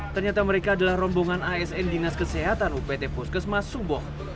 ternyata mereka adalah rombongan asn dinas kesehatan upt puskesmas suboh